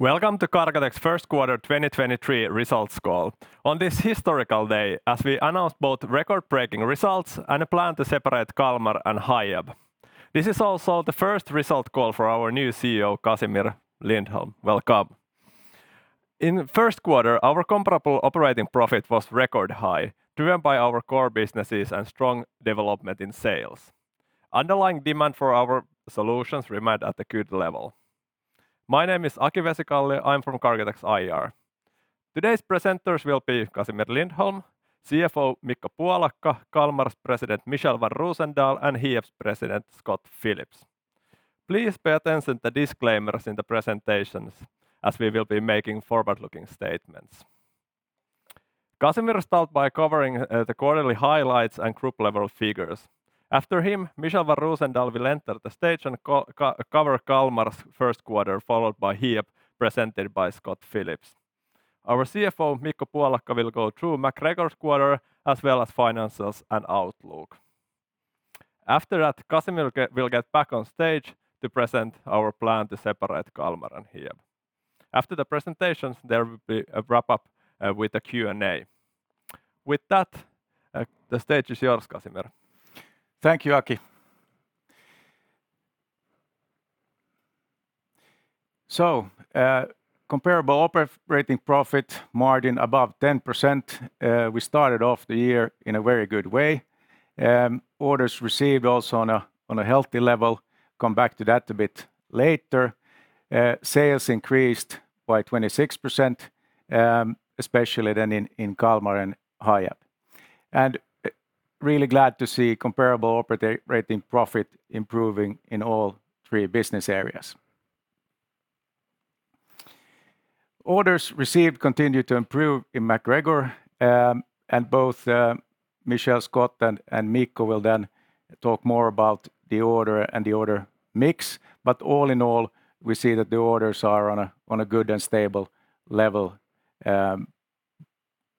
Welcome to Cargotec's first quarter 2023 results call. On this historical day, as we announce both record-breaking results and a plan to separate Kalmar and Hiab. This is also the first result call for our new CEO, Casimir Lindholm. Welcome. In first quarter, our comparable operating profit was record high, driven by our core businesses and strong development in sales. Underlying demand for our solutions remained at a good level. My name is Aki Vesikallio, I'm from Cargotec's IR. Today's presenters will be Casimir Lindholm, CFO Mikko Puolakka, Kalmar's President Michel van Roozendaal, and Hiab's President Scott Phillips. Please pay attention to disclaimers in the presentations as we will be making forward-looking statements. Casimir will start by covering the quarterly highlights and group-level figures. After him, Michel van Roozendaal will enter the stage and cover Kalmar's first quarter, followed by Hiab, presented by Scott Phillips. Our CFO, Mikko Puolakka, will go through MacGregor's quarter as well as financials and outlook. After that, Casimir will get back on stage to present our plan to separate Kalmar and Hiab. After the presentations, there will be a wrap-up with a Q and A. With that, the stage is yours, Casimir. Thank you, Aki. Comparable operating profit margin above 10%. We started off the year in a very good way. Orders received also on a healthy level. Come back to that a bit later. Sales increased by 26%, especially then in Kalmar and Hiab. Really glad to see comparable operating profit improving in all three business areas. Orders received continue to improve in MacGregor, both Michel, Scott, and Mikko will then talk more about the order and the order mix. All in all, we see that the orders are on a good and stable level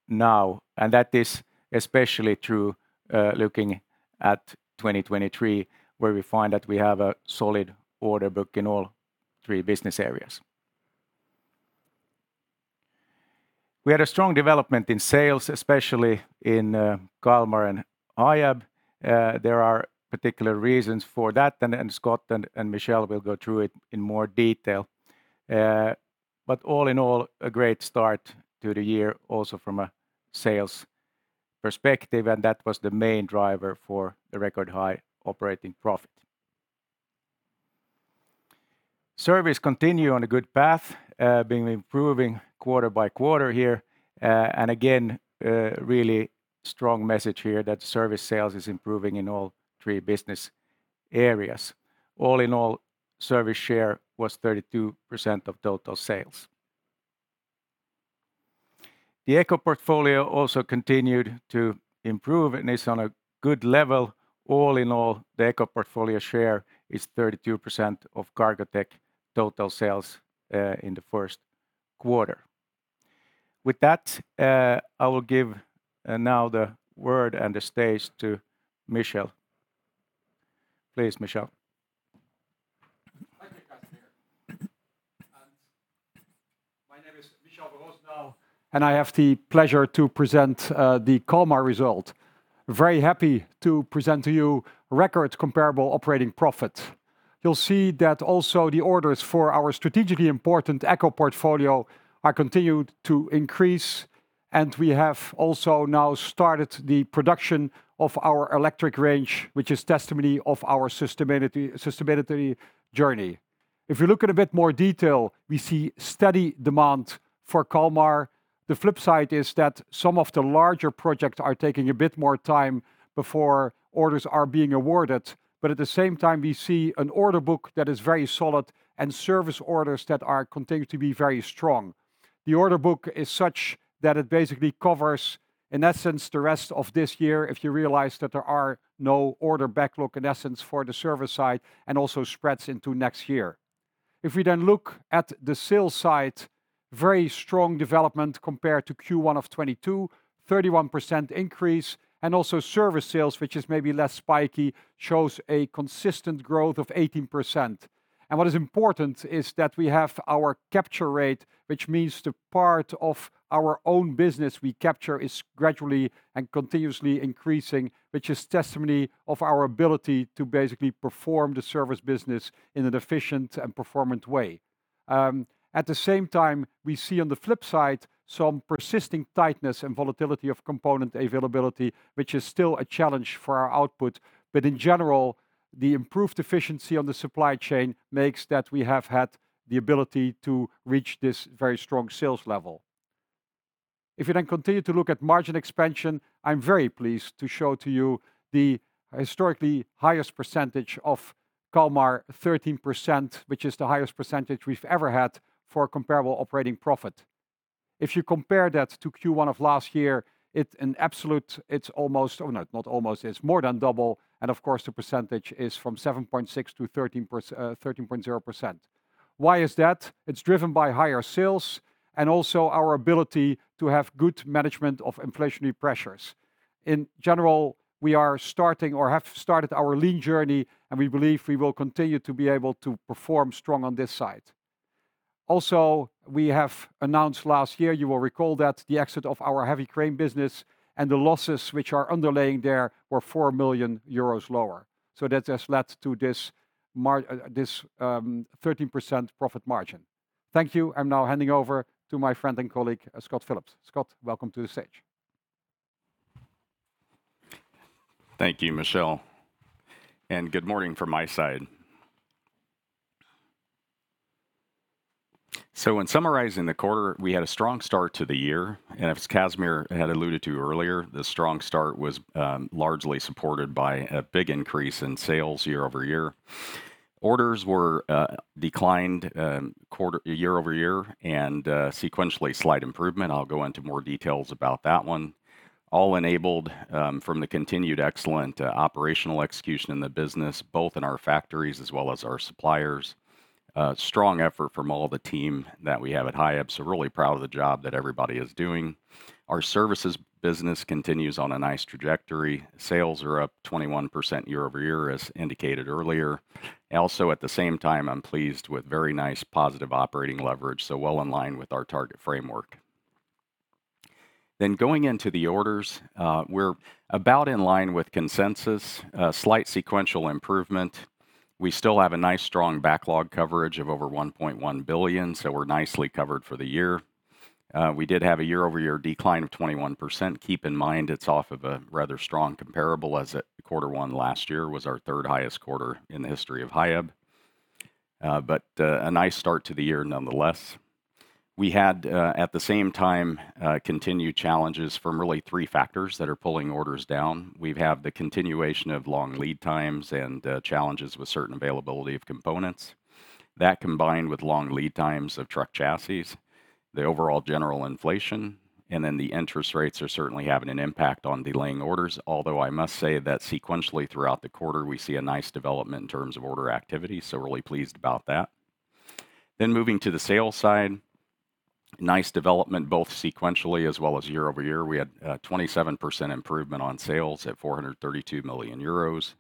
now, that is especially true looking at 2023, where we find that we have a solid order book in all three business areas. We had a strong development in sales, especially in Kalmar and Hiab. There are particular reasons for that, and Scott and Michel will go through it in more detail. All in all, a great start to the year also from a sales perspective, and that was the main driver for the record-high operating profit. Service continue on a good path, being improving quarter by quarter here. Again, really strong message here that service sales is improving in all three business areas. All in all, service share was 32% of total sales. The eco portfolio also continued to improve and is on a good level. All in all, the eco portfolio share is 32% of Cargotec total sales in the first quarter. With that, I will give now the word and the stage to Michel. Please, Michel. Thank you, Casimir. My name is Michel van Roozendaal, and I have the pleasure to present the Kalmar result. Very happy to present to you record comparable operating profit. You'll see that also the orders for our strategically important eco portfolio are continued to increase, and we have also now started the production of our electric range, which is testimony of our sustainability journey. If you look at a bit more detail, we see steady demand for Kalmar. The flip side is that some of the larger projects are taking a bit more time before orders are being awarded. At the same time, we see an order book that is very solid and service orders that are continue to be very strong. The order book is such that it basically covers, in essence, the rest of this year, if you realize that there are no order backlog, in essence, for the service side, also spreads into next year. We then look at the sales side, very strong development compared to Q1 of 2022, 31% increase. Service sales, which is maybe less spiky, shows a consistent growth of 18%. What is important is that we have our capture rate, which means the part of our own business we capture is gradually and continuously increasing, which is testimony of our ability to basically perform the service business in an efficient and performant way. At the same time, we see on the flip side some persisting tightness and volatility of component availability, which is still a challenge for our output. In general, the improved efficiency on the supply chain makes that we have had the ability to reach this very strong sales level. If you continue to look at margin expansion, I'm very pleased to show to you the historically highest percentage of Kalmar, 13%, which is the highest percentage we've ever had for comparable operating profit. If you compare that to Q1 of last year, it's more than double, and of course, the percentage is from 7.6% to 13.0%. Why is that? It's driven by higher sales and also our ability to have good management of inflationary pressures. In general, we are starting or have started our lean journey, and we believe we will continue to be able to perform strong on this side. We have announced last year, you will recall that the exit of our heavy crane business and the losses which are underlying there were 4 million euros lower. That has led to this 13% profit margin. Thank you. I'm now handing over to my friend and colleague, Scott Phillips. Scott, welcome to the stage. Thank you, Michel, and good morning from my side. In summarizing the quarter, we had a strong start to the year. As Casimir had alluded to earlier, the strong start was largely supported by a big increase in sales year-over-year. Orders were declined year over year and sequentially slight improvement. I'll go into more details about that one. All enabled from the continued excellent operational execution in the business, both in our factories as well as our suppliers. Strong effort from all the team that we have at Hiab, so really proud of the job that everybody is doing. Our services business continues on a nice trajectory. Sales are up 21% year-over-year, as indicated earlier. At the same time, I'm pleased with very nice positive operating leverage, well in line with our target framework. Going into the orders, we're about in line with consensus, slight sequential improvement. We still have a nice strong backlog coverage of over 1.1 billion, we're nicely covered for the year. We did have a year-over-year decline of 21%. Keep in mind, it's off of a rather strong comparable as quarter one last year was our third highest quarter in the history of Hiab. A nice start to the year nonetheless. We had, at the same time, continued challenges from really three factors that are pulling orders down. We have the continuation of long lead times and challenges with certain availability of components. That combined with long lead times of truck chassis, the overall general inflation, and then the interest rates are certainly having an impact on delaying orders. Although I must say that sequentially throughout the quarter, we see a nice development in terms of order activity, really pleased about that. Moving to the sales side, nice development, both sequentially as well as year-over-year. We had a 27% improvement on sales at 432 million euros.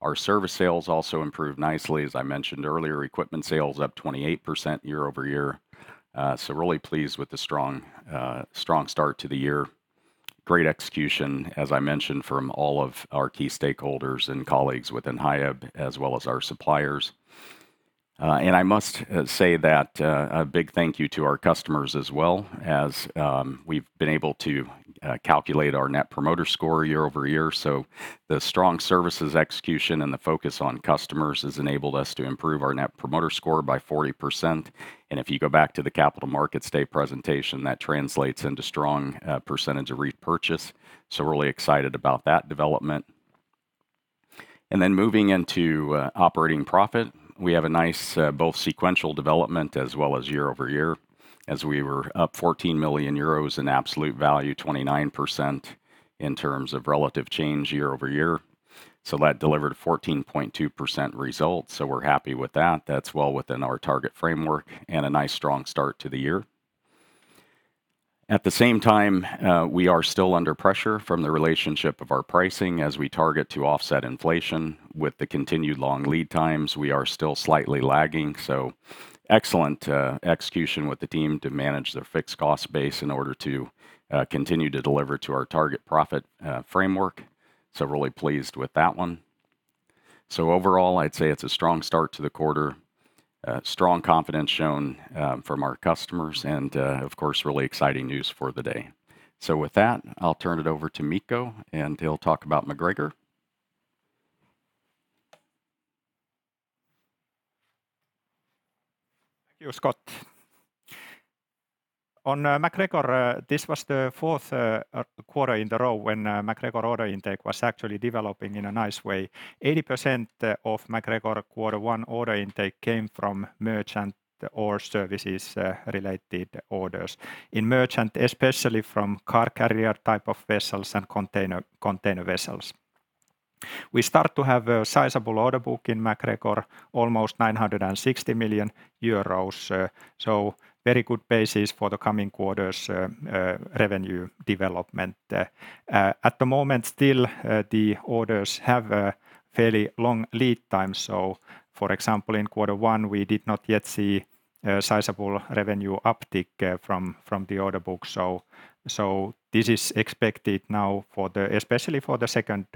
Our service sales also improved nicely. As I mentioned earlier, equipment sales up 28% year-over-year. Really pleased with the strong start to the year. Great execution, as I mentioned, from all of our key stakeholders and colleagues within Hiab, as well as our suppliers. I must say that a big thank you to our customers as well as we've been able to calculate our net promoter score year-over-year. The strong services execution and the focus on customers has enabled us to improve our net promoter score by 40%. If you go back to the Capital Markets Day presentation, that translates into strong percentage of repurchase. We're really excited about that development. Moving into operating profit, we have a nice both sequential development as well as year-over-year as we were up 14 million euros in absolute value, 29% in terms of relative change year-over-year. That delivered 14.2% results. We're happy with that. That's well within our target framework and a nice strong start to the year. At the same time, we are still under pressure from the relationship of our pricing as we target to offset inflation. With the continued long lead times, we are still slightly lagging. Excellent execution with the team to manage their fixed cost base in order to continue to deliver to our target profit framework. Really pleased with that one. Overall, I'd say it's a strong start to the quarter, strong confidence shown from our customers and, of course, really exciting news for the day. With that, I'll turn it over to Mikko, and he'll talk about MacGregor. Thank you, Scott. On MacGregor, this was the fourth quarter in the row when MacGregor order intake was actually developing in a nice way. 80% of MacGregor quarter one order intake came from merchant or services related orders. In merchant, especially from car carrier type of vessels and container vessels. We start to have a sizable order book in MacGregor, almost 960 million euros, so very good basis for the coming quarters' revenue development. At the moment, still, the orders have a fairly long lead time. For example, in quarter one, we did not yet see a sizable revenue uptick from the order book. This is expected now especially for the second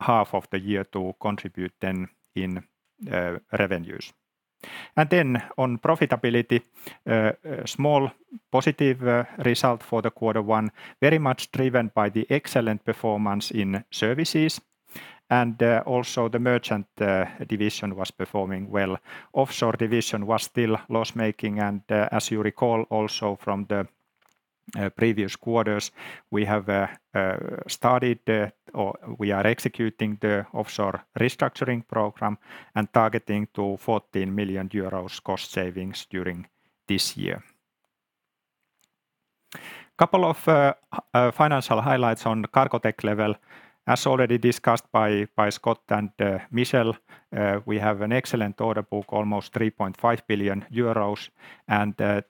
half of the year to contribute then in revenues. On profitability, a small positive result for the quarter one, very much driven by the excellent performance in services. Also the merchant division was performing well. Offshore division was still loss-making. As you recall also from the previous quarters, we are executing the offshore restructuring program and targeting to 14 million euros cost savings during this year. Couple of financial highlights on the Cargotec level. As already discussed by Scott and Michel, we have an excellent order book, almost 3.5 billion euros,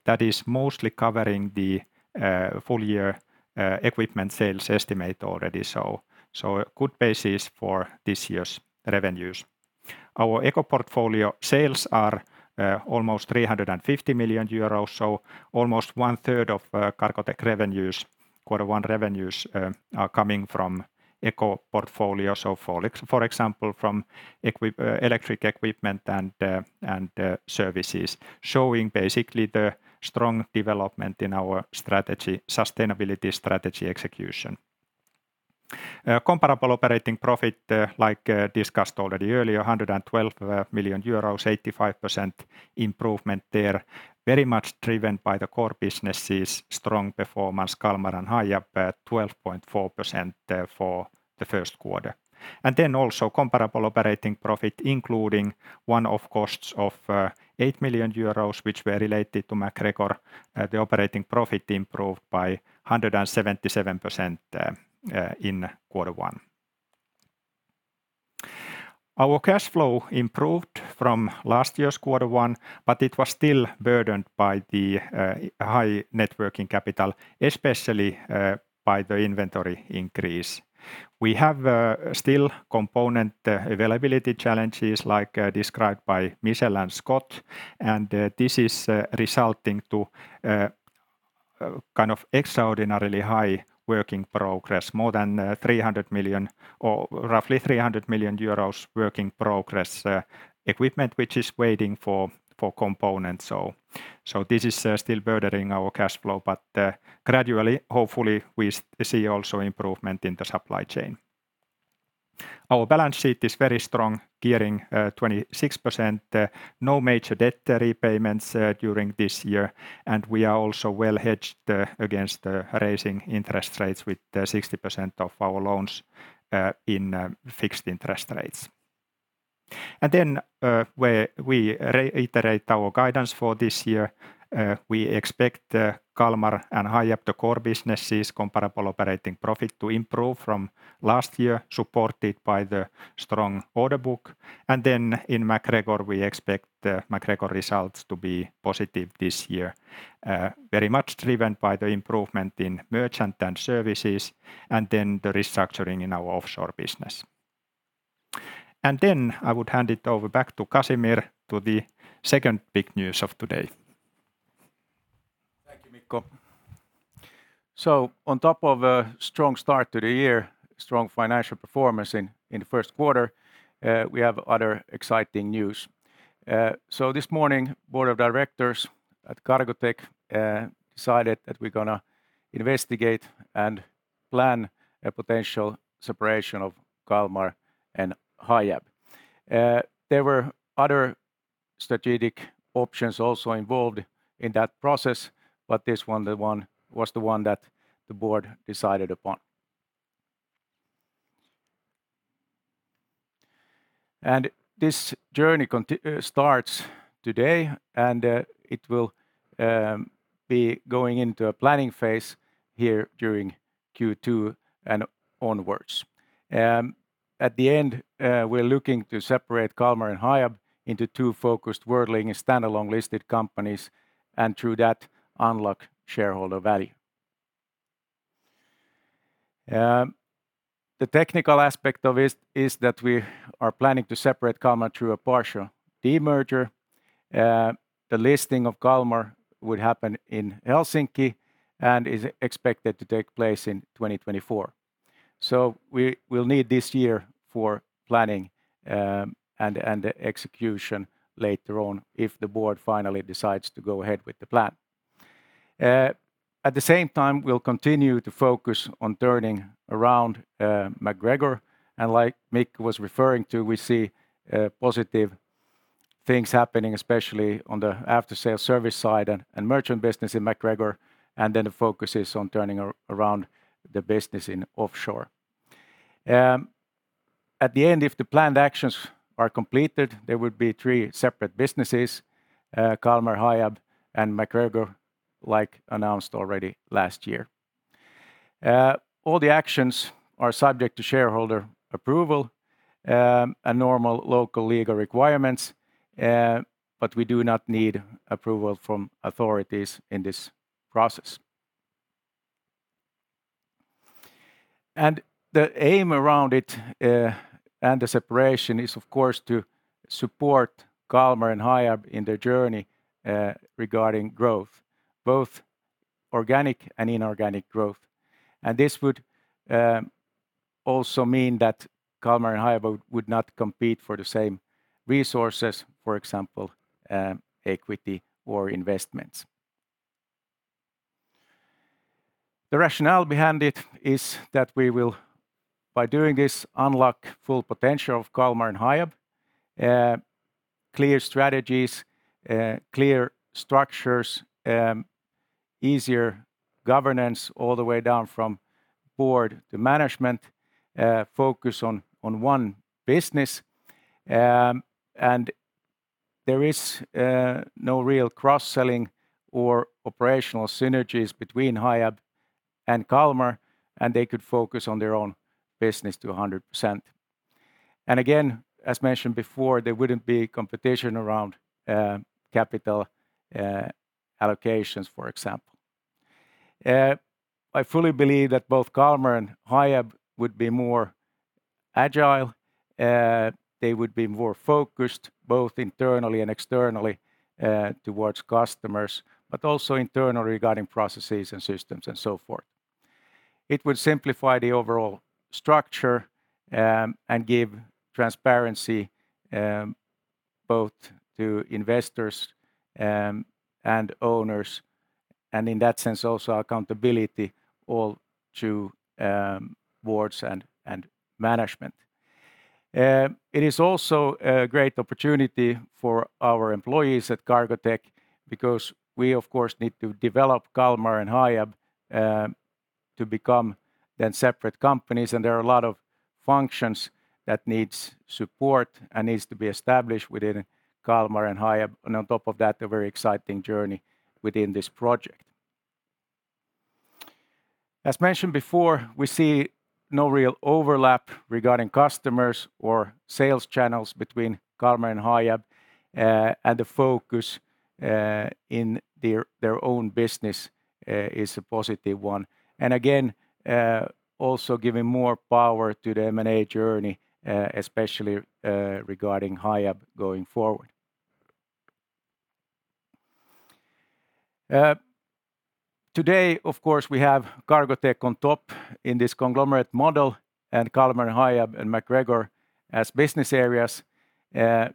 that is mostly covering the full year equipment sales estimate already. A good basis for this year's revenues. Our eco portfolio sales are almost 350 million euros, so almost one-third of Cargotec revenues, quarter one revenues, are coming from eco portfolio. For example, from electric equipment and services, showing basically the strong development in our strategy, sustainability strategy execution. Comparable operating profit, like discussed already earlier, 112 million euros, 85% improvement there, very much driven by the core business' strong performance, Kalmar and Hiab at 12.4% for the first quarter. Also comparable operating profit, including one-off costs of 8 million euros, which were related to MacGregor, the operating profit improved by 177% in quarter one. Our cash flow improved from last year's quarter one, it was still burdened by the high net working capital, especially by the inventory increase. We have still component availability challenges like described by Michel and Scott, this is resulting to kind of extraordinarily high work in progress, more than 300 million, or roughly 300 million euros work in progress, equipment which is waiting for components. This is still burdening our cash flow, gradually, hopefully, we see also improvement in the supply chain. Our balance sheet is very strong, gearing 26%, no major debt repayments during this year, we are also well-hedged against the rising interest rates with 60% of our loans in fixed interest rates. Where we reiterate our guidance for this year, we expect Kalmar and Hiab, the core businesses' comparable operating profit to improve from last year, supported by the strong order book. In MacGregor, we expect the MacGregor results to be positive this year, very much driven by the improvement in merchant and services, and then the restructuring in our offshore business. I would hand it over back to Casimir to the second big news of today. Thank you, Mikko. On top of a strong start to the year, strong financial performance in the first quarter, we have other exciting news. This morning, board of directors at Cargotec decided that we're gonna investigate and plan a potential separation of Kalmar and Hiab. There were other strategic options also involved in that process, this one was the one that the board decided upon. This journey starts today, it will be going into a planning phase here during Q2 and onwards. At the end, we're looking to separate Kalmar and Hiab into two focused, world-leading standalone listed companies, through that, unlock shareholder value. The technical aspect of this is that we are planning to separate Kalmar through a partial demerger. The listing of Kalmar would happen in Helsinki and is expected to take place in 2024. We will need this year for planning and execution later on if the board finally decides to go ahead with the plan. At the same time, we'll continue to focus on turning around MacGregor. Like Mikko was referring to, we see positive things happening, especially on the after-sale service side and merchant business in MacGregor, the focus is on turning around the business in offshore. At the end, if the planned actions are completed, there would be three separate businesses, Kalmar, Hiab, and MacGregor, like announced already last year. All the actions are subject to shareholder approval, and normal local legal requirements, we do not need approval from authorities in this process. The aim around it, and the separation is, of course, to support Kalmar and Hiab in their journey regarding growth, both organic and inorganic growth. This would also mean that Kalmar and Hiab would not compete for the same resources, for example, equity or investments. The rationale behind it is that we will, by doing this, unlock full potential of Kalmar and Hiab, clear strategies, clear structures, easier governance all the way down from board to management, focus on one business. There is no real cross-selling or operational synergies between Hiab and Kalmar, and they could focus on their own business to 100%. Again, as mentioned before, there wouldn't be competition around capital allocations, for example. I fully believe that both Kalmar and Hiab would be more agile. They would be more focused both internally and externally, towards customers, but also internal regarding processes and systems and so forth. It would simplify the overall structure and give transparency both to investors and owners, and in that sense also accountability all to boards and management. It is also a great opportunity for our employees at Cargotec because we of course need to develop Kalmar and Hiab to become then separate companies and there are a lot of functions that needs support and needs to be established within Kalmar and Hiab, and on top of that a very exciting journey within this project. As mentioned before, we see no real overlap regarding customers or sales channels between Kalmar and Hiab, and the focus in their own business is a positive one. Again, also giving more power to the M&A journey, especially regarding Hiab going forward. Today of course we have Cargotec on top in this conglomerate model and Kalmar and Hiab and MacGregor as business areas.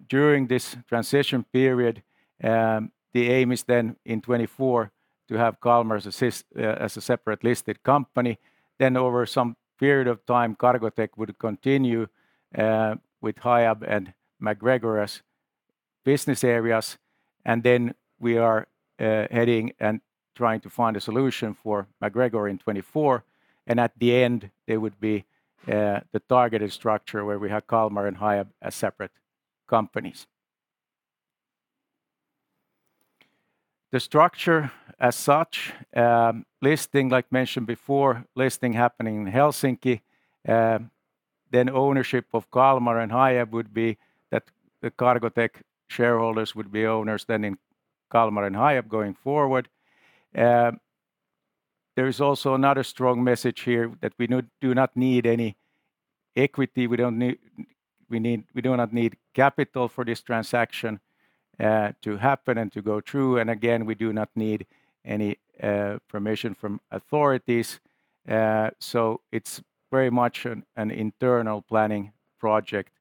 During this transition period, the aim is then in 2024 to have Kalmar as a separate listed company. Over some period of time, Cargotec would continue with Hiab and MacGregor as business areas. We are heading and trying to find a solution for MacGregor in 2024. At the end there would be the targeted structure where we have Kalmar and Hiab as separate companies. The structure as such, listing like mentioned before, listing happening in Helsinki. Ownership of Kalmar and Hiab would be that the Cargotec shareholders would be owners then in Kalmar and Hiab going forward. There is also another strong message here that we do not need any equity, we do not need capital for this transaction to happen and to go through. Again, we do not need any permission from authorities. It's very much an internal planning project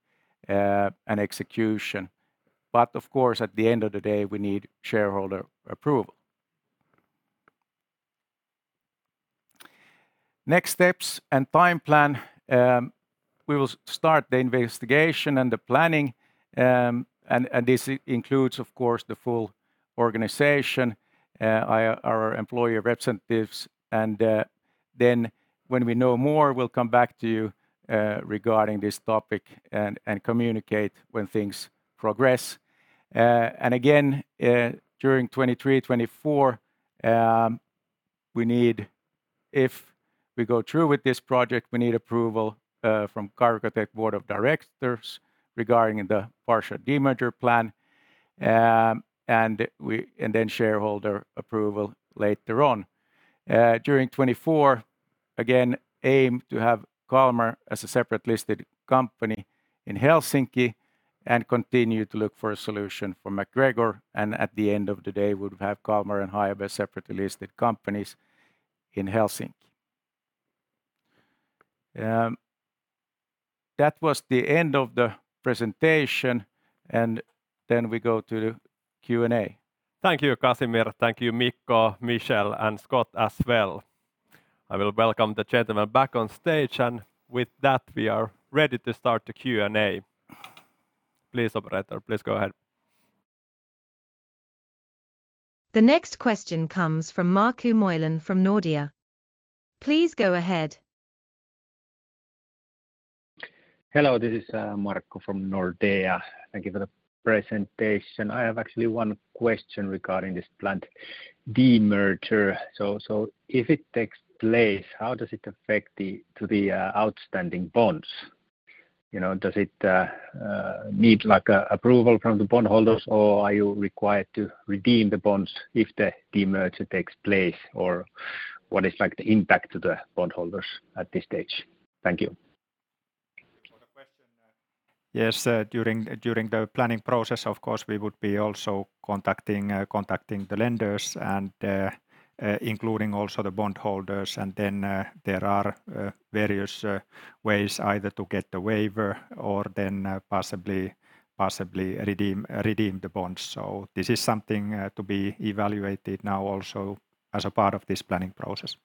and execution. Of course, at the end of the day, we need shareholder approval. Next steps and time plan. We will start the investigation and the planning, and this includes of course the full organization, our employee representatives. When we know more we'll come back to you regarding this topic and communicate when things progress. Again, during 2023, 2024, If we go through with this project, we need approval from Cargotec Board of Directors regarding the partial demerger plan. Then shareholder approval later on. During 2024, again, aim to have Kalmar as a separate listed company in Helsinki and continue to look for a solution for MacGregor. At the end of the day, we would have Kalmar and Hiab as separately listed companies in Helsinki. That was the end of the presentation. We go to the Q and A. Thank you, Casimir. Thank you Mikko, Michel, and Scott as well. I will welcome the gentlemen back on stage, and with that we are ready to start the Q and A. Please, operator, please go ahead. The next question comes from Markku Moilanen from Nordea. Please go ahead. Hello, this is Markku from Nordea. Thank you for the presentation. I have actually one question regarding this planned demerger. If it takes place, how does it affect the outstanding bonds? You know, does it need like a approval from the bondholders or are you required to redeem the bonds if the demerger takes place? What is like the impact to the bondholders at this stage? Thank you. Thank you for the question. Yes, during the planning process, of course, we would be also contacting the lenders and including also the bondholders. Then, there are various ways either to get the waiver or then, possibly redeem the bonds. This is something to be evaluated now also as a part of this planning process.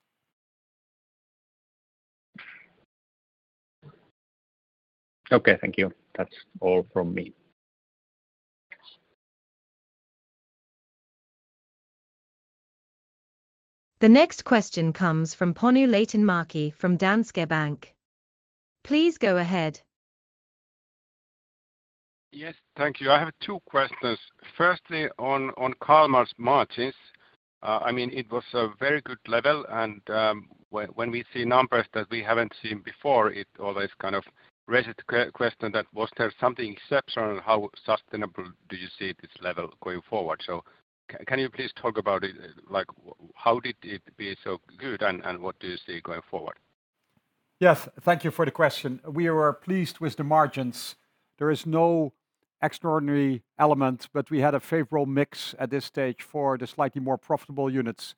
Okay. Thank you. That's all from me. The next question comes from Panu Laitinmäki from Danske Bank. Please go ahead. Yes. Thank you. I have two questions. Firstly, on Kalmar's margins, I mean, it was a very good level and when we see numbers that we haven't seen before, it always kind of raises the question that was there something exceptional? How sustainable do you see this level going forward? Can you please talk about it, like how did it be so good and what do you see going forward? Yes, thank you for the question. We are pleased with the margins. There is no extraordinary element. We had a favorable mix at this stage for the slightly more profitable units.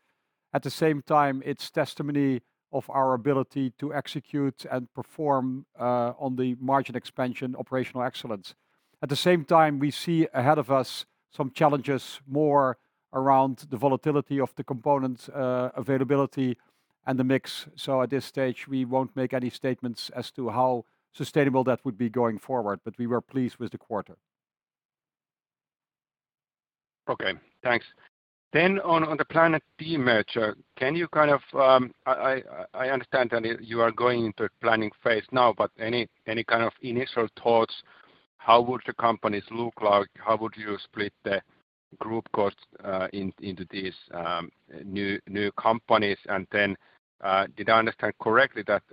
At the same time, it's testimony of our ability to execute and perform on the margin expansion operational excellence. At the same time, we see ahead of us some challenges more around the volatility of the components, availability and the mix. At this stage, we won't make any statements as to how sustainable that would be going forward, but we were pleased with the quarter. Okay, thanks. On the planned demerger, can you kind of? I understand that you are going into planning phase now, but any kind of initial thoughts? How would the companies look like? How would you split the group costs into these new companies? Did I understand correctly that,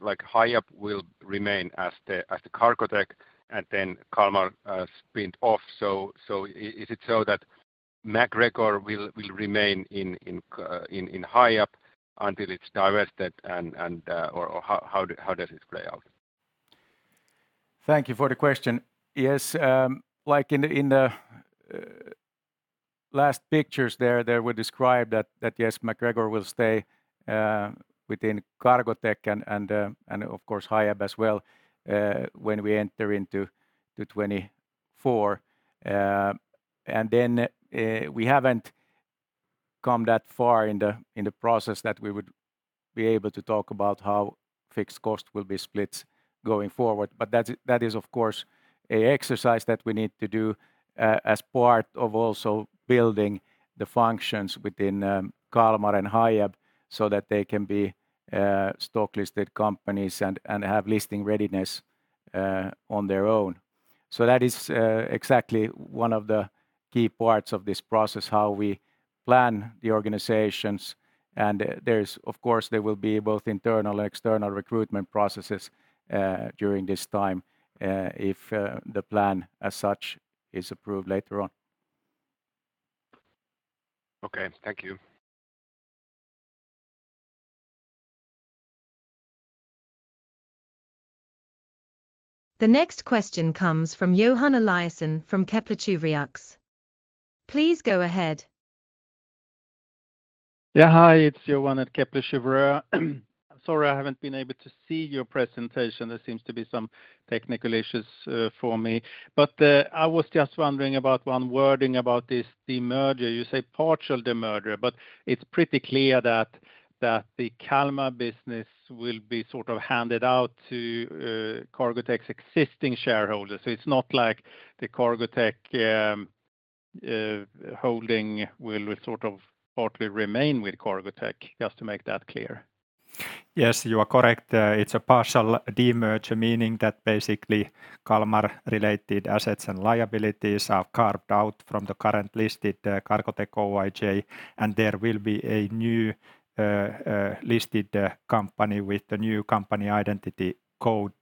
like, Hiab will remain as the Cargotec and then Kalmar spinned off? Is it so that MacGregor will remain in Hiab until it's divested and or how does it play out? Thank you for the question. Yes, like in the last pictures there, they would describe that yes, MacGregor will stay within Cargotec and of course, Hiab as well, when we enter into 2024. We haven't come that far in the process that we would be able to talk about how fixed cost will be split going forward. That's, that is, of course, an exercise that we need to do as part of also building the functions within Kalmar and Hiab so that they can be stock-listed companies and have listing readiness on their own. That is exactly one of the key parts of this process, how we plan the organizations. There's, of course, there will be both internal and external recruitment processes, during this time, if the plan as such is approved later on. Okay, thank you. The next question comes from Johan Eliason from Kepler Cheuvreux. Please go ahead. Yeah, hi. It's Johan at Kepler Cheuvreux. Sorry I haven't been able to see your presentation. There seems to be some technical issues for me. I was just wondering about one wording about this, the merger. You say partial demerger, but it's pretty clear that the Kalmar business will be sort of handed out to Cargotec's existing shareholders. It's not like the Cargotec holding will sort of partly remain with Cargotec. Just to make that clear. Yes, you are correct. It's a partial demerger, meaning that basically Kalmar-related assets and liabilities are carved out from the current listed, Cargotec Oyj. There will be a new, listed, company with the new company identity code.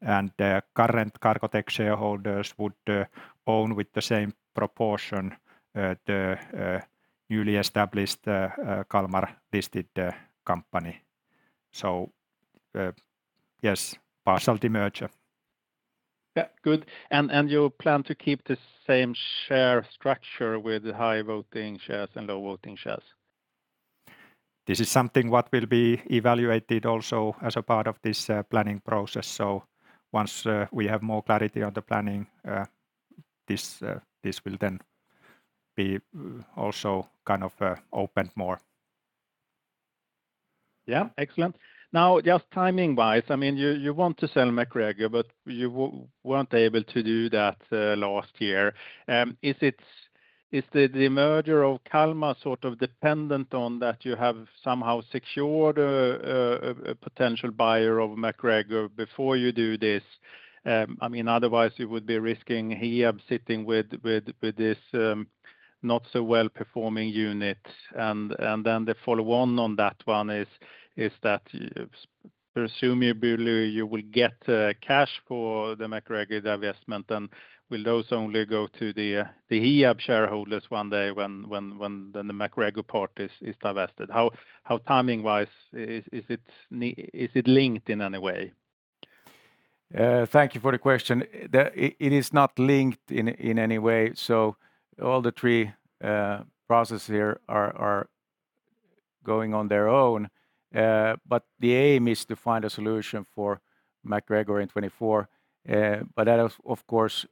The current Cargotec shareholders would, own with the same proportion, the, newly established, Kalmar listed, company. Yes, partial demerger. Yeah, good. You plan to keep the same share structure with high voting shares and low voting shares? This is something what will be evaluated also as a part of this, planning process. Once, we have more clarity on the planning, this will then be also kind of, opened more. Yeah, excellent. Now, just timing-wise, I mean, you weren't able to do that last year. Is the demerger of Kalmar sort of dependent on that you have somehow secured a potential buyer of MacGregor before you do this? I mean, otherwise you would be risking Hiab sitting with this not so well-performing unit. Then the follow on on that one is that presumably you will get cash for the MacGregor divestment, and will those only go to the Hiab shareholders one day when then the MacGregor part is divested? How, how timing-wise is Is it linked in any way? Thank you for the question. It is not linked in any way, so all the three processes here are going on their own. The aim is to find a solution for MacGregor in 2024. That of course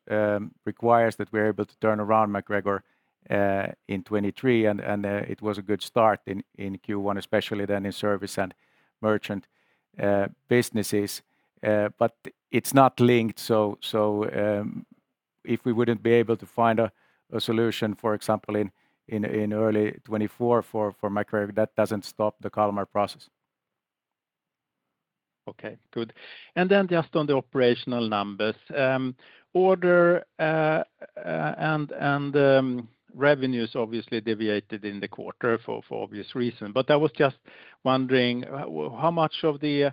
requires that we're able to turn around MacGregor in 2023. It was a good start in Q1, especially then in service and merchant businesses. It's not linked. If we wouldn't be able to find a solution, for example in early 2024 for MacGregor, that doesn't stop the Kalmar process. Okay, good. Just on the operational numbers, order and revenues obviously deviated in the quarter for obvious reason. I was just wondering how much of the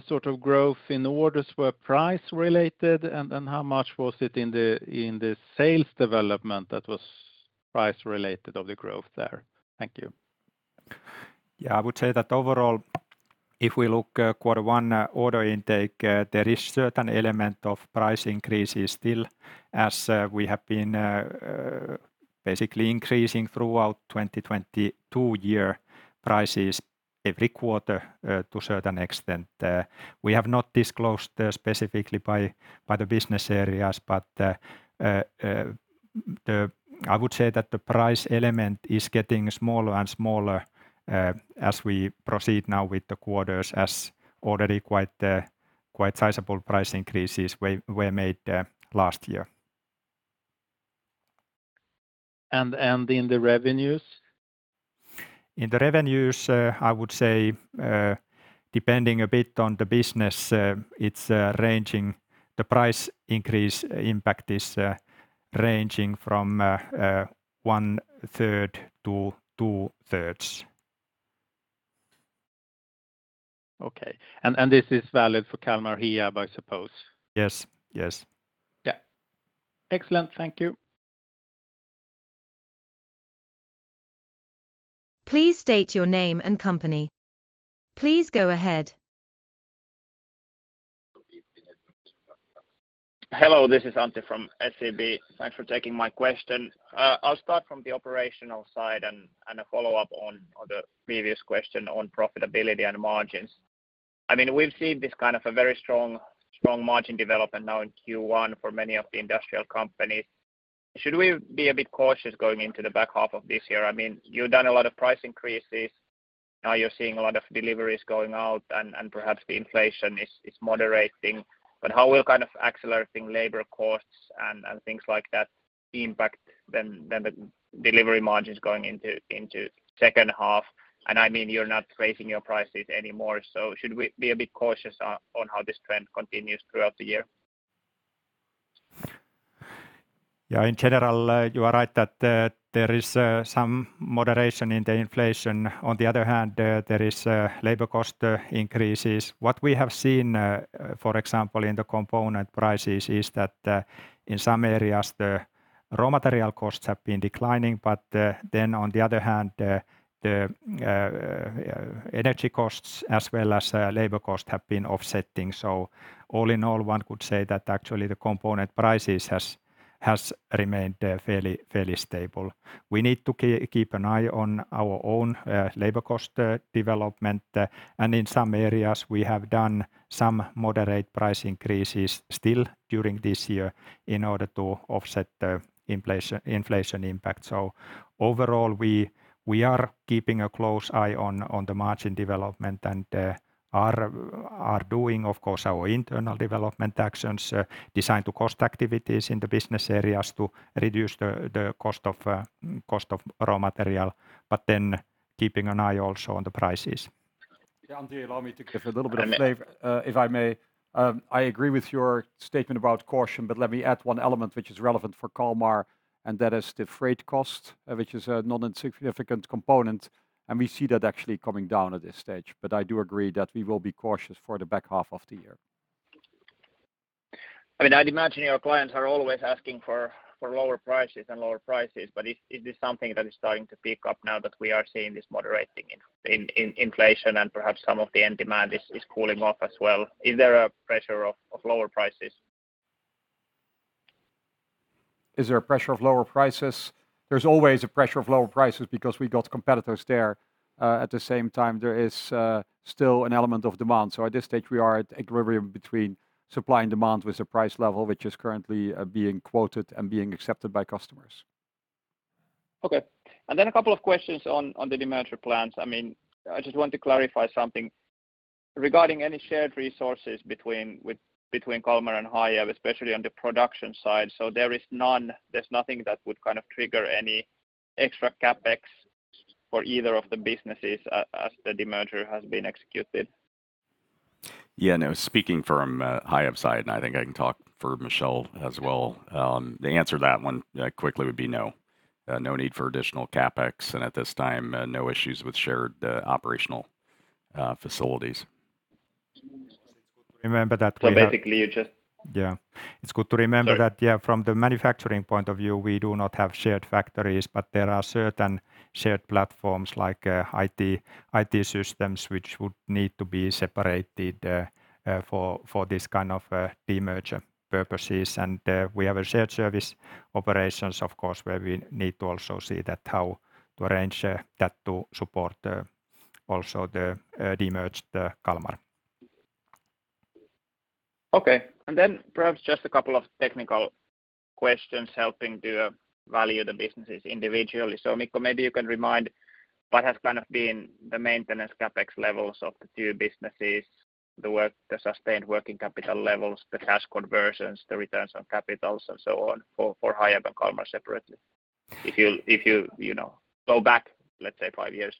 sort of growth in orders were price related, and then how much was it in the sales development that was price related of the growth there. Thank you. I would say that overall, if we look at Q1 order intake, there is certain element of price increases still as we have been basically increasing throughout 2022 year prices every quarter to a certain extent. We have not disclosed specifically by the business areas. I would say that the price element is getting smaller and smaller as we proceed now with the quarters as already quite sizable price increases were made last year. In the revenues? In the revenues, I would say, depending a bit on the business, the price increase impact is ranging from one-third to two-thirds. Okay. This is valid for Kalmar Hiab, I suppose? Yes, yes. Yeah. Excellent. Thank you. Please state your name and company. Please go ahead. Hello, this is Antti from SEB. Thanks for taking my question. I'll start from the operational side and a follow-up on the previous question on profitability and margins. I mean, we've seen this kind of a very strong margin development now in Q1 for many of the industrial companies. Should we be a bit cautious going into the back half of this year? I mean, you've done a lot of price increases. You're seeing a lot of deliveries going out and perhaps the inflation is moderating. How will kind of accelerating labor costs and things like that impact then the delivery margins going into second half? I mean, you're not raising your prices anymore, should we be a bit cautious on how this trend continues throughout the year? Yeah, in general, you are right that there is some moderation in the inflation. On the other hand, there is labor cost increases. What we have seen, for example, in the component prices is that in some areas the raw material costs have been declining. On the other hand, the energy costs as well as labor cost have been offsetting. All in all, one could say that actually the component prices has remained fairly stable. We need to keep an eye on our own labor cost development, and in some areas we have done some moderate price increases still during this year in order to offset the inflation impact. Overall, we are keeping a close eye on the margin development and are doing, of course, our internal development actions, designed to cost activities in the business areas to reduce the cost of raw material, keeping an eye also on the prices. Yeah, Antti, allow me to give a little bit of flavor, if I may. I agree with your statement about caution, but let me add one element which is relevant for Kalmar, and that is the freight cost, which is a not insignificant component, and we see that actually coming down at this stage. I do agree that we will be cautious for the back half of the year. I mean, I'd imagine your clients are always asking for lower prices and lower prices. Is this something that is starting to pick up now that we are seeing this moderating in inflation and perhaps some of the end demand is cooling off as well? Is there a pressure of lower prices? Is there a pressure of lower prices? There's always a pressure of lower prices because we got competitors there. At the same time, there is still an element of demand. At this stage, we are at equilibrium between supply and demand with the price level, which is currently being quoted and being accepted by customers. Okay. A couple of questions on the demerger plans. I mean, I just want to clarify something regarding any shared resources between Kalmar and Hiab, especially on the production side. There is none. There's nothing that would kind of trigger any extra CapEx for either of the businesses as the demerger has been executed. Yeah. No. Speaking from Hiab's side, and I think I can talk for Michel as well, the answer to that one quickly would be no. No need for additional CapEx. At this time, no issues with shared operational facilities. Remember that we have— Basically you. Yeah. It's good to remember that, yeah, from the manufacturing point of view, we do not have shared factories, but there are certain shared platforms like IT systems, which would need to be separated for this kind of demerger purposes. We have a shared service operations, of course, where we need to also see that how to arrange that to support also the demerged Kalmar. Perhaps just a couple of technical questions helping to value the businesses individually. Mikko, maybe you can remind what has kind of been the maintenance CapEx levels of the two businesses, the sustained working capital levels, the cash conversions, the returns on capitals, and so on for Hiab and Kalmar separately. If you know, go back, let's say five years.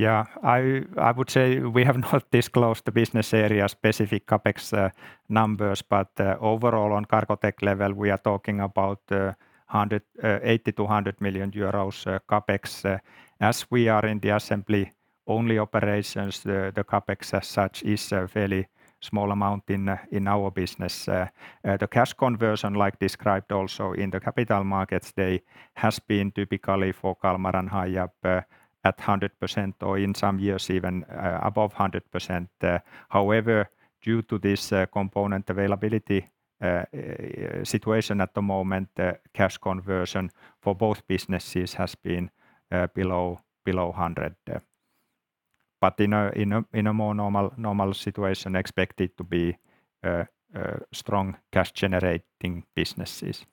Yeah. I would say we have not disclosed the business area specific CapEx numbers. Overall on Cargotec level, we are talking about 180-100 million euros CapEx. As we are in the assembly-only operations, the CapEx as such is a fairly small amount in our business. The cash conversion, like described also in the Capital Markets Day, has been typically for Kalmar and Hiab at 100% or in some years even above 100%. However, due to this component availability situation at the moment, the cash conversion for both businesses has been below 100%. In a more normal situation, expected to be strong cash generating businesses.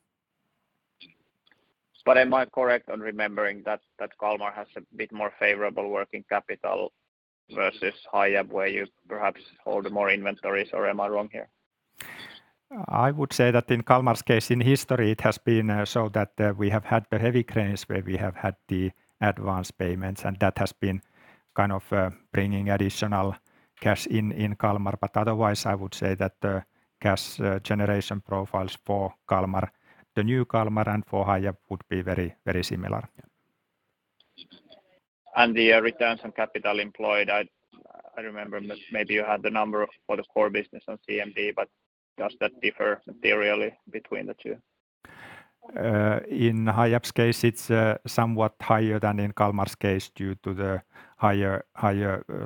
Am I correct on remembering that Kalmar has a bit more favorable working capital versus Hiab, where you perhaps hold more inventories, or am I wrong here? I would say that in Kalmar's case, in history, it has been so that we have had the heavy cranes, where we have had the advanced payments, and that has been kind of bringing additional cash in in Kalmar. Otherwise, I would say that the cash generation profiles for Kalmar, the new Kalmar and for Hiab would be very, very similar. Yeah. The returns on capital employed, I remember maybe you had the number for the core business on CMD, but does that differ materially between the two? In Hiab's case, it's somewhat higher than in Kalmar's case due to the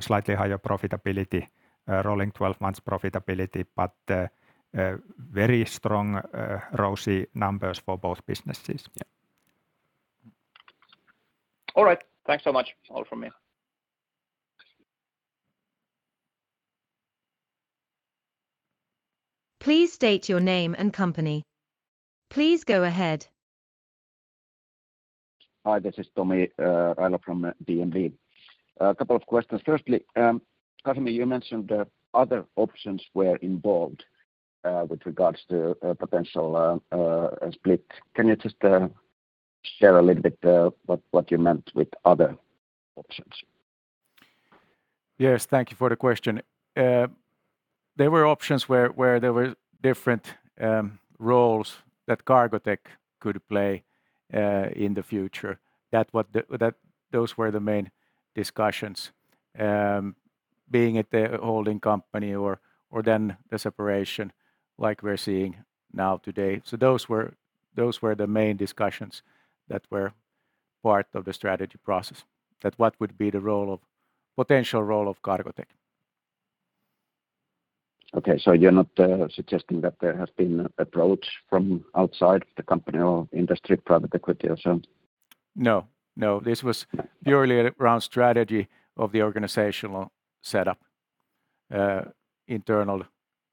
slightly higher profitability, rolling 12 months profitability, but very strong ROCI numbers for both businesses. All right. Thanks so much. All from me. Please state your name and company. Please go ahead. Hi, this is Tomi Railo from DNB. A couple of questions. Firstly, Casimir, you mentioned other options were involved with regards to a potential split. Can you just share a little bit what you meant with other options? Yes. Thank you for the question. There were options where there were different roles that Cargotec could play in the future. Those were the main discussions. Being at a holding company or then the separation like we're seeing now today. Those were the main discussions that were part of the strategy process. That potential role of Cargotec. Okay. you're not suggesting that there has been approach from outside the company or industry, private equity or so? No. No. This was purely around strategy of the organizational setup.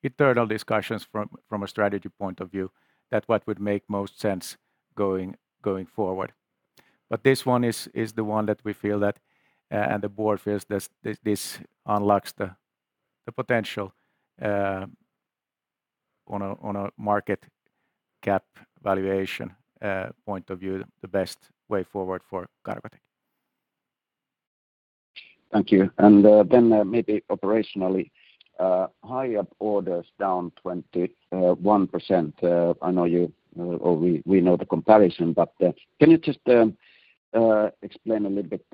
Internal discussions from a strategy point of view, that what would make most sense going forward. This one is the one that we feel that and the board feels this unlocks the potential on a market cap valuation point of view, the best way forward for Cargotec. Thank you. Then maybe operationally, Hiab orders down 21%. I know you, or we know the comparison, but can you just explain a little bit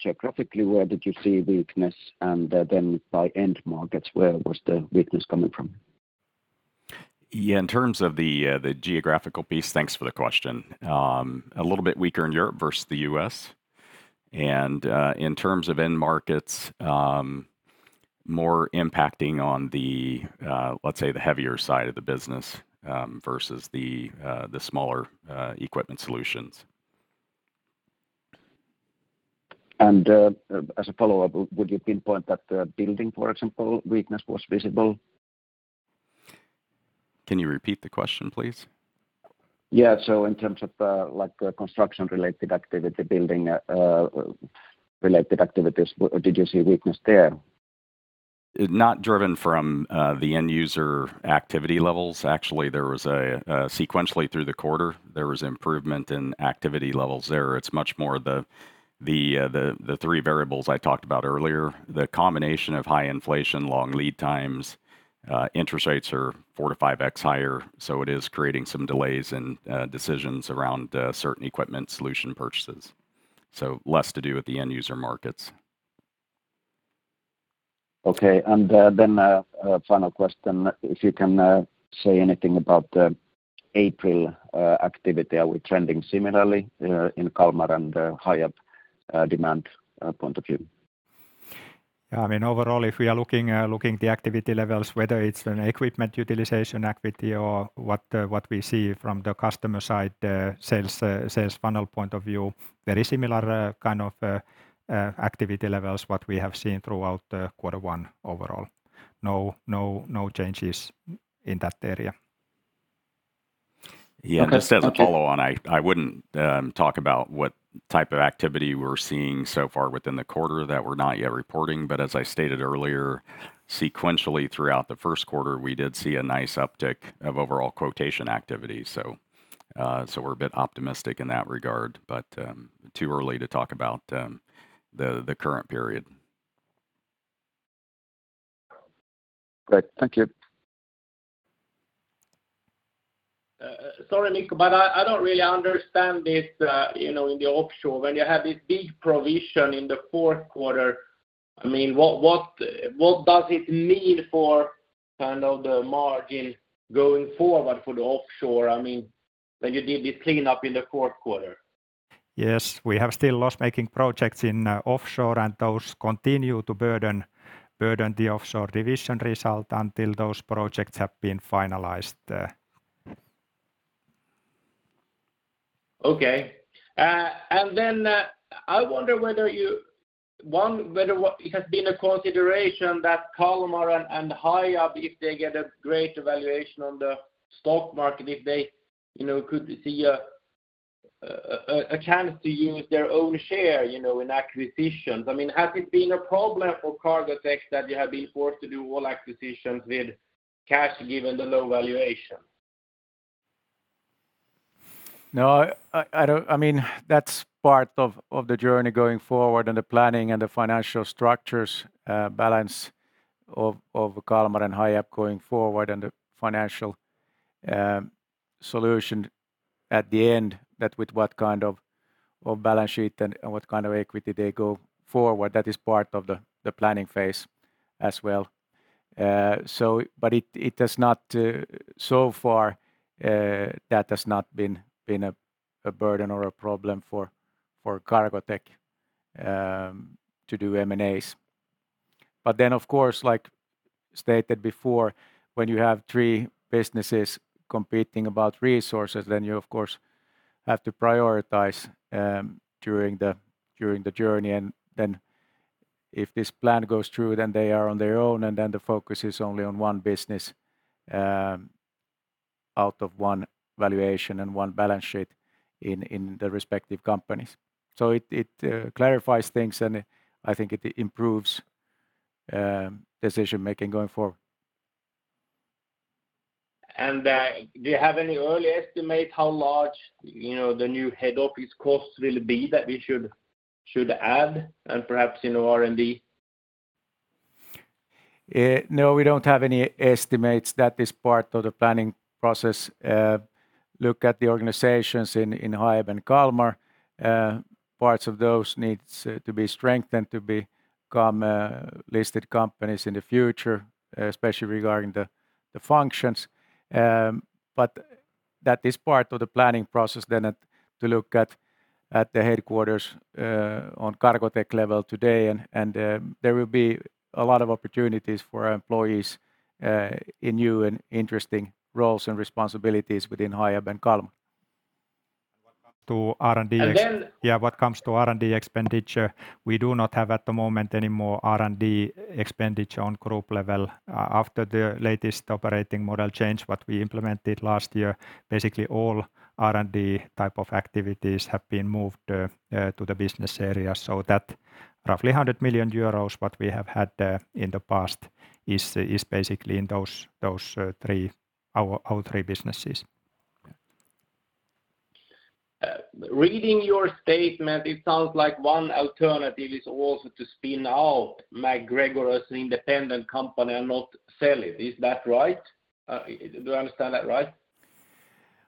geographically, where did you see weakness and then by end markets, where was the weakness coming from? Yeah. In terms of the geographical piece, thanks for the question. A little bit weaker in Europe versus the U.S. In terms of end markets, more impacting on the, let's say, the heavier side of the business, versus the smaller equipment solutions. As a follow-up, would you pinpoint that building, for example, weakness was visible? Can you repeat the question, please? Yeah. in terms of, like, construction-related activity, building, related activities, did you see weakness there? Not driven from the end user activity levels. Actually, there was a sequentially through the quarter, there was improvement in activity levels there. It's much more the, the three variables I talked about earlier. The combination of high inflation, long lead times, interest rates are 4 to 5x higher, so it is creating some delays in decisions around certain equipment solution purchases. Less to do with the end user markets. Okay. Then a final question. If you can say anything about the April activity. Are we trending similarly in Kalmar and Hiab demand point of view? I mean, overall, if we are looking the activity levels, whether it's an equipment utilization activity or what we see from the customer side, sales funnel point of view, very similar kind of activity levels what we have seen throughout quarter one overall. No changes in that area. Yeah. Just as a follow on, I wouldn't talk about what type of activity we're seeing so far within the quarter that we're not yet reporting. As I stated earlier, sequentially throughout the first quarter, we did see a nice uptick of overall quotation activity. We're a bit optimistic in that regard, but too early to talk about the current period. Great. Thank you. Sorry, Mikko, I don't really understand this, you know, in the offshore when you have this big provision in the fourth quarter. I mean, what does it mean for kind of the margin going forward for the offshore? I mean, that you did this cleanup in the fourth quarter. Yes. We have still loss-making projects in offshore. Those continue to burden the offshore division result until those projects have been finalized. Okay. I wonder whether what it has been a consideration that Kalmar and Hiab, if they get a great valuation on the stock market, if they, you know, could see a chance to use their own share, you know, in acquisitions. I mean, has it been a problem for Cargotec that you have been forced to do all acquisitions with cash given the low valuation? I mean, that's part of the journey going forward and the planning and the financial structures, balance of Kalmar and Hiab going forward and the financial solution at the end that with what kind of balance sheet and what kind of equity they go forward, that is part of the planning phase as well. But it has not so far that has not been a burden or a problem for Cargotec to do M&As. Of course, like stated before, when you have three businesses competing about resources, then you, of course, have to prioritize during the journey. If this plan goes through, then they are on their own, and then the focus is only on one business, out of one valuation and one balance sheet in the respective companies. It clarifies things, and I think it improves decision-making going forward. Do you have any early estimate how large, you know, the new head office costs will be that we should add and perhaps, you know, R&D? No, we don't have any estimates. That is part of the planning process. Look at the organizations in Hiab and Kalmar. Parts of those needs to be strengthened to become listed companies in the future, especially regarding the functions. That is part of the planning process then at, to look at the headquarters on Cargotec level today. There will be a lot of opportunities for our employees in new and interesting roles and responsibilities within Hiab and Kalmar. To R&D. And then- What comes to R&D expenditure, we do not have at the moment any more R&D expenditure on group level. After the latest operating model change, what we implemented last year, basically all R&D type of activities have been moved to the business area. That roughly 100 million euros, what we have had in the past is basically in those, our three businesses. Reading your statement, it sounds like one alternative is also to spin out MacGregor as an independent company and not sell it. Is that right? Do I understand that right?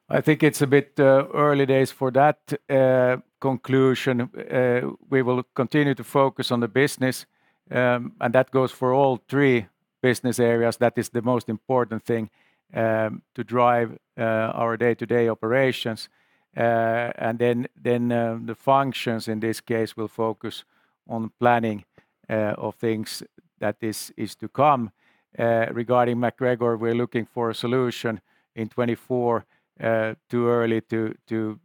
I think it's a bit early days for that conclusion. We will continue to focus on the business, and that goes for all three business areas. That is the most important thing to drive our day-to-day operations. Then, the functions in this case will focus on planning of things that is to come. Regarding MacGregor, we're looking for a solution in 2024. Too early to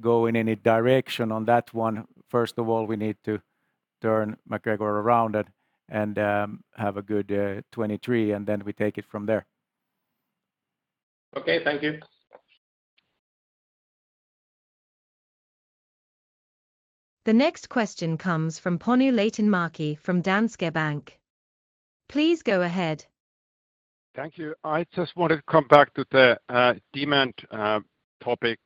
go in any direction on that one. First of all, we need to turn MacGregor around and have a good 2023, and then we take it from there. Okay. Thank you. The next question comes from Panu Laitinmäki from Danske Bank. Please go ahead. Thank you. I just wanted to come back to the demand topic.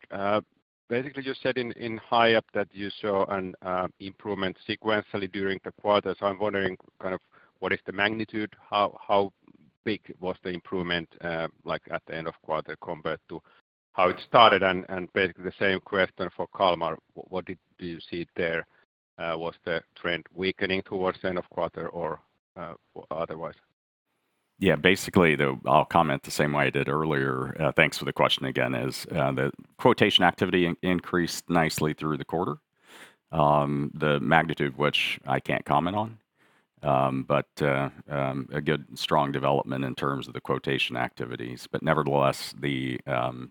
Basically you said in Hiab that you saw an improvement sequentially during the quarter. I'm wondering kind of what is the magnitude? How big was the improvement like, at the end of quarter compared to how it started? Basically the same question for Kalmar. What did you see there? Was the trend weakening towards the end of quarter or otherwise? Yeah. Basically, I'll comment the same way I did earlier, thanks for the question again, is the quotation activity increased nicely through the quarter. The magnitude, which I can't comment on. A good strong development in terms of the quotation activities. Nevertheless, the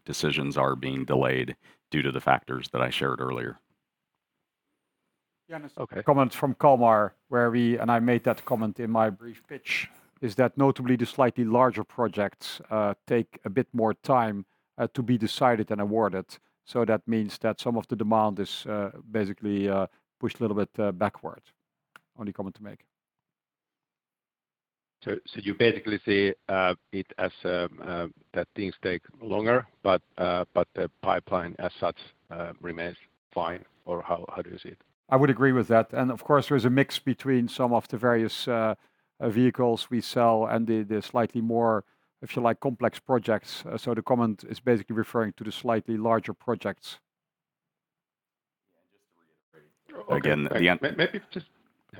decisions are being delayed due to the factors that I shared earlier. Panu- Okay Comment from Kalmar and I made that comment in my brief pitch, is that notably the slightly larger projects, take a bit more time, to be decided and awarded. That means that some of the demand is, basically, pushed a little bit, backward. Only comment to make. You basically see it as that things take longer, but the pipeline as such remains fine, or how do you see it? I would agree with that. Of course, there is a mix between some of the various vehicles we sell and the slightly more, if you like, complex projects. The comment is basically referring to the slightly larger projects. Again, Maybe. Just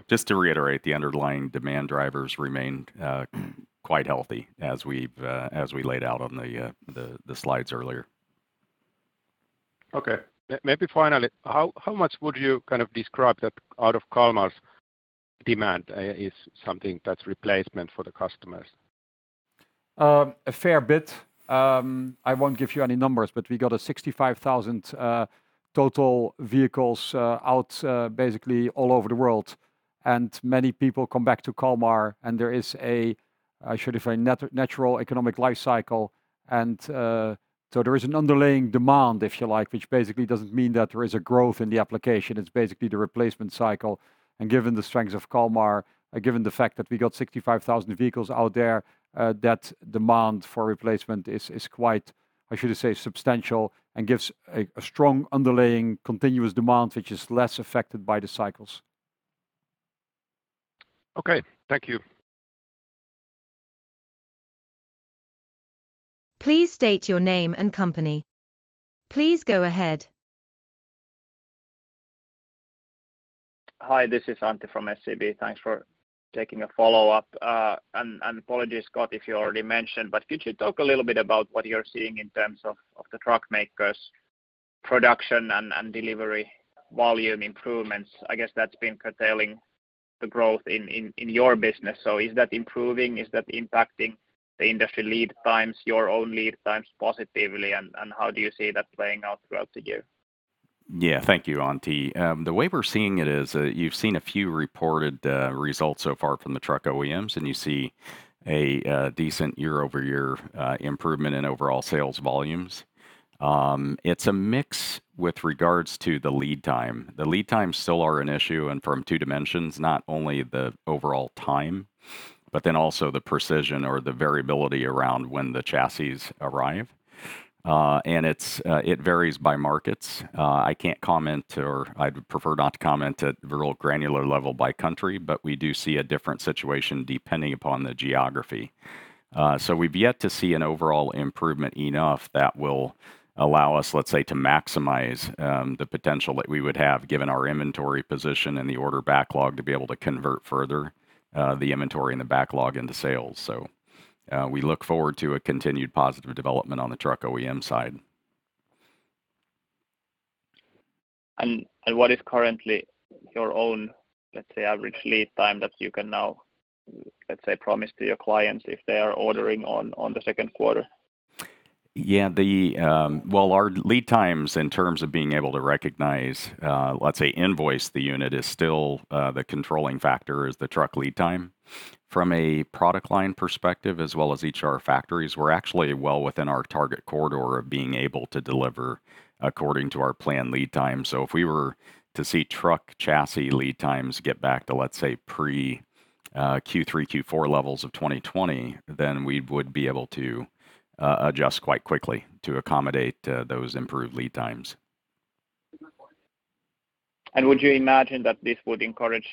to reiterate, the underlying demand drivers remain quite healthy as we've laid out on the slides earlier. Okay. Maybe finally, how much would you kind of describe that out of Kalmar's demand, is something that's replacement for the customers? A fair bit. I won't give you any numbers, but we got a 65,000 total vehicles out basically all over the world. Many people come back to Kalmar and there is a, I should define, natural economic life cycle and there is an underlying demand, if you like, which basically doesn't mean that there is a growth in the application. It's basically the replacement cycle. Given the strength of Kalmar, given the fact that we got 65,000 vehicles out there, that demand for replacement is quite, I should say, substantial and gives a strong underlying continuous demand, which is less affected by the cycles. Okay. Thank you. Please state your name and company. Please go ahead. Hi, this is Antti from SEB. Thanks for taking a follow-up. apologies, Scott, if you already mentioned, but could you talk a little bit about what you're seeing in terms of the truck makers' production and delivery volume improvements? I guess that's been curtailing the growth in your business. Is that improving? Is that impacting the industry lead times, your own lead times positively? How do you see that playing out throughout the year? Yeah. Thank you, Antti. The way we're seeing it is, you've seen a few reported results so far from the truck OEMs, and you see a decent year-over-year improvement in overall sales volumes. It's a mix with regards to the lead time. The lead times still are an issue, and from two dimensions, not only the overall time, but then also the precision or the variability around when the chassis arrive. It's it varies by markets. I can't comment or I'd prefer not to comment at real granular level by country, we do see a different situation depending upon the geography. We've yet to see an overall improvement enough that will allow us, let's say, to maximize the potential that we would have, given our inventory position and the order backlog, to be able to convert further the inventory and the backlog into sales. We look forward to a continued positive development on the truck OEM side. What is currently your own, let's say, average lead time that you can now, let's say, promise to your clients if they are ordering on the second quarter? Well, our lead times in terms of being able to recognize, let's say, invoice the unit is still the controlling factor is the truck lead time. From a product line perspective as well as each of our factories, we're actually well within our target corridor of being able to deliver according to our planned lead time. If we were to see truck chassis lead times get back to, let's say, pre Q3, Q4 levels of 2020, we would be able to adjust quite quickly to accommodate those improved lead times. Would you imagine that this would encourage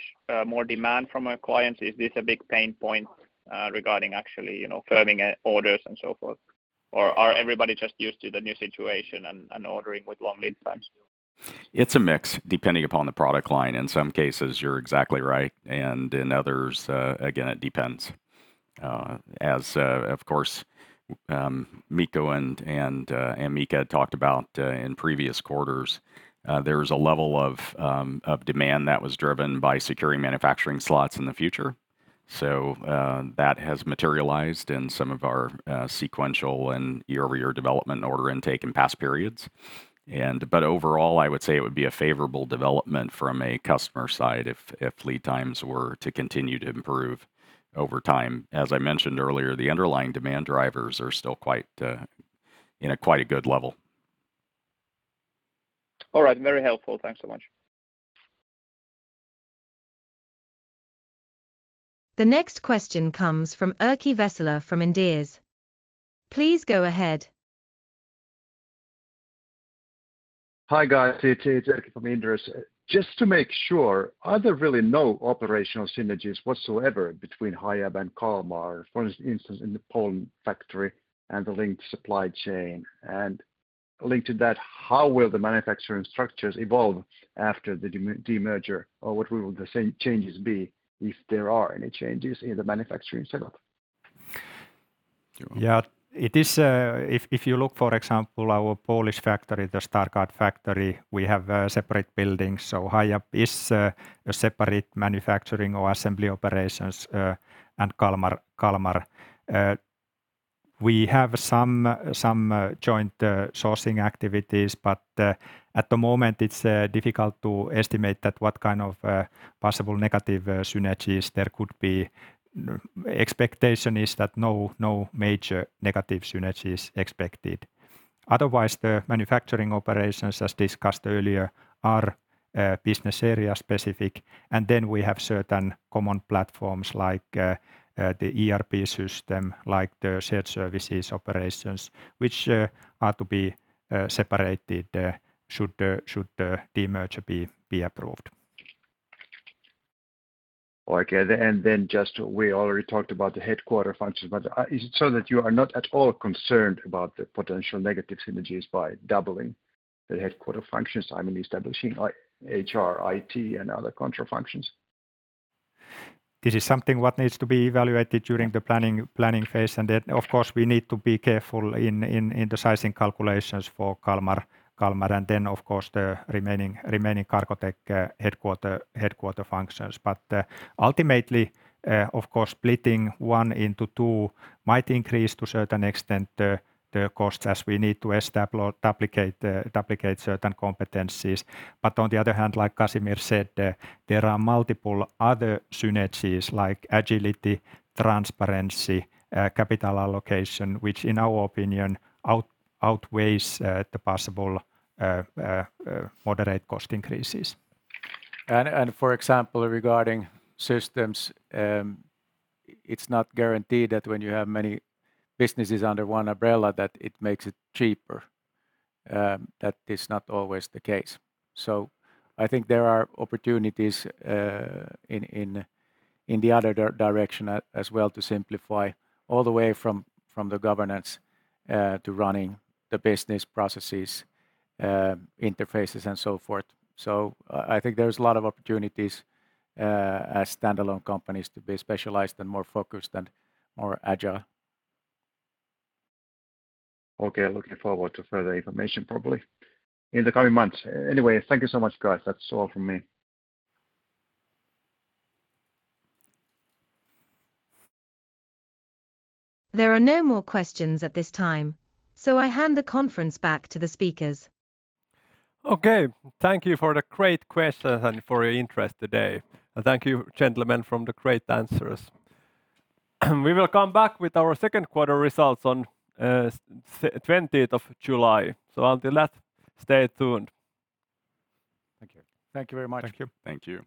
more demand from our clients? Is this a big pain point regarding actually, you know, firming orders and so forth? Are everybody just used to the new situation and ordering with long lead times? It's a mix depending upon the product line. In some cases, you're exactly right, and in others, again, it depends. As of course, Mikko and Michel talked about in previous quarters, there is a level of demand that was driven by securing manufacturing slots in the future. That has materialized in some of our sequential and year-over-year development order intake in past periods. But overall, I would say it would be a favorable development from a customer side if lead times were to continue to improve over time. As I mentioned earlier, the underlying demand drivers are still quite in a quite a good level. All right. Very helpful. Thanks so much. The next question comes from Erkki Vesola from Inderes. Please go ahead. Hi, guys. It's Erkki from Inderes. Just to make sure, are there really no operational synergies whatsoever between Hiab and Kalmar, for instance, in the Poland factory and the linked supply chain? Linked to that, how will the manufacturing structures evolve after the demerger, or what will the changes be if there are any changes in the manufacturing setup? Yeah. It is if you look, for example, our Polish factory, the Starogard factory, we have separate buildings. Hiab is a separate manufacturing or assembly operations, and Kalmar. We have some joint sourcing activities, but at the moment it's difficult to estimate what kind of possible negative synergies there could be. Expectation is that no major negative synergy is expected. Otherwise, the manufacturing operations, as discussed earlier, are business area specific. Then we have certain common platforms like the ERP system, like the shared services operations, which are to be separated, should the demerger be approved. Okay. We already talked about the headquarter functions. Is it so that you are not at all concerned about the potential negative synergies by doubling the headquarter functions, I mean, establishing, like, HR, IT, and other control functions? This is something what needs to be evaluated during the planning phase. Then of course we need to be careful in the sizing calculations for Kalmar, and then of course the remaining Cargotec headquarter functions. Ultimately, of course, splitting one into two might increase to certain extent the cost as we need to establish or duplicate certain competencies. On the other hand, like Casimir said, there are multiple other synergies like agility, transparency, capital allocation, which in our opinion outweighs the possible moderate cost increases. For example, regarding systems, it's not guaranteed that when you have many businesses under one umbrella that it makes it cheaper. That is not always the case. I think there are opportunities in the other direction as well to simplify all the way from the governance to running the business processes, interfaces and so forth. I think there's a lot of opportunities as standalone companies to be specialized and more focused and more agile. Okay. Looking forward to further information probably in the coming months. Thank you so much, guys. That's all from me. There are no more questions at this time, so I hand the conference back to the speakers. Okay. Thank you for the great questions and for your interest today. Thank you, gentlemen, for the great answers. We will come back with our second quarter results on the 20th of July. Until that, stay tuned. Thank you. Thank you very much. Thank you. Thank you.